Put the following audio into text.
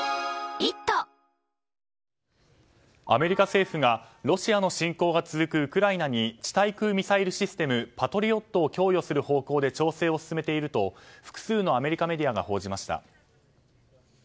アメリカ政府がロシアの侵攻が続くウクライナに地対空ミサイルシステムパトリオットを供与する方向で調整を進めていると複数のアメリカメディアが報じました。